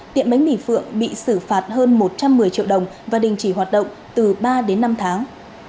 tiệm bánh mì phượng bị xử phạt hơn một trăm một mươi triệu đồng và đình chỉ hoạt động từ ba đến năm tháng